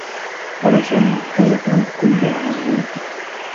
قضى سامي حياته كلّها هناك.